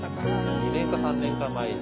２年か３年か前に。